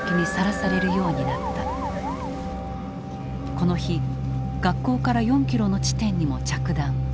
この日学校から４キロの地点にも着弾。